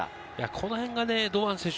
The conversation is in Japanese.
このへんが堂安選手